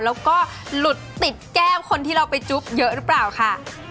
แล้วก็หลุดติดแก้มคนที่เราไปจุ๊บเยอะหรือเปล่าค่ะ